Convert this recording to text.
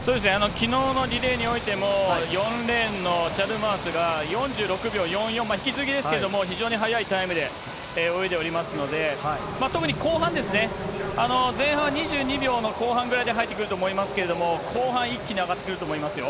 きのうのリレーにおいても、４レーンのチャルマースが４６秒４４、非常に速いタイムで泳いでおりますので、特に後半ですね、前半は２２秒の後半ぐらいで入ってくると思いますけれども、後半一気に上がってくると思いますよ。